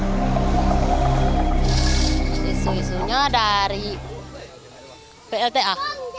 isu isunya dari plta